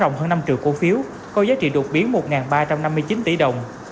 tổng hơn năm triệu cổ phiếu có giá trị đột biến một ba trăm năm mươi chín tỷ đồng